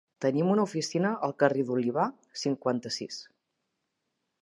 Tenim una oficina al carrer de l'Olivar, cinquanta-sis.